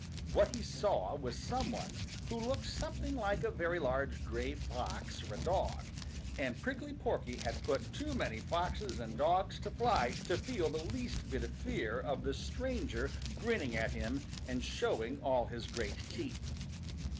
What he saw was some one who looked something like a very large gray fox or a dog, and Prickly Porky had put too many foxes and dogs to flight to feel the least bit of fear of the stranger grinning at him and showing all his great teeth.